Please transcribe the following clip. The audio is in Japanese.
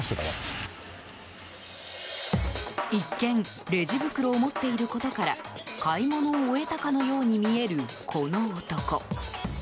一見、レジ袋を持っていることから買い物を終えたかのように見えるこの男。